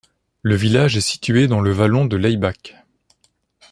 Le village est situé dans le vallon de l'Eibach.